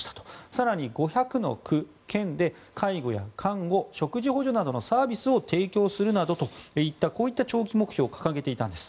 更に、５００の区、県で介護や看護食事補助などのサービスを提供するなどといったこういった長期目標を掲げていたんです。